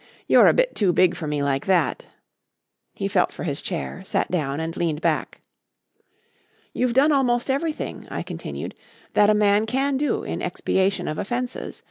"You're a bit too big for me like that." He felt for his chair, sat down and leaned back. "You've done almost everything," I continued, "that a man can do in expiation of offences.